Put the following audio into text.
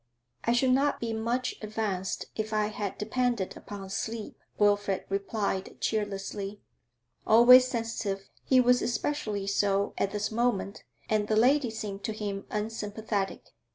'I should not be much advanced if I had depended upon sleep,' Wilfrid replied cheerlessly. Always sensitive, he was especially so at this moment, and the lady seemed to him unsympathetic.